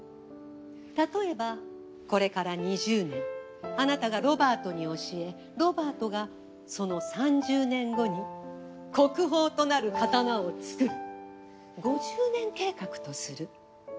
例えばこれから２０年あなたがロバートに教えロバートがその３０年後に国宝となる刀を作る５０年計画とする。